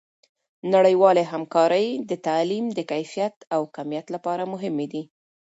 نړیوالې همکارۍ د تعلیم د کیفیت او کمیت لپاره مهمې دي.